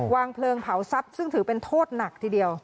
วางเพลิงเผาทรัพย์ซึ่งถือเป็นโทษหนักทีเดียว